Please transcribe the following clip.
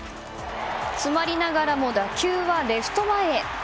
詰まりながらも打球はレフト前へ。